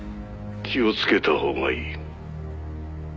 「気をつけたほうがいい」